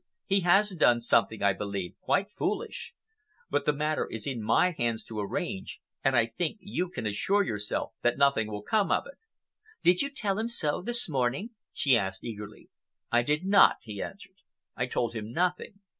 "He has done something, I believe, quite foolish; but the matter is in my hands to arrange, and I think you can assure yourself that nothing will come of it." "Did you tell him so this morning?" she asked eagerly. "I did not," he answered. "I told him nothing.